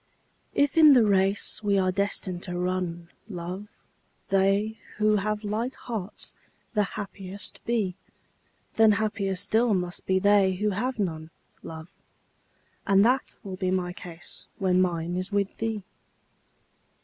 If in the race we are destined to run, love, They who have light hearts the happiest be, Then happier still must be they who have none, love. And that will be my case when mine is with thee.